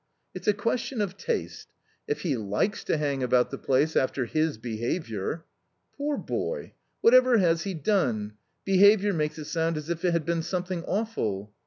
"It's a question of taste. If he likes to hang about the place after his behaviour " "Poor boy! whatever has he done? 'Behaviour' makes it sound as if it had been something awful."